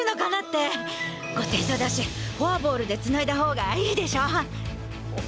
５点差だしフォアボールでつないだ方がいいでしょ？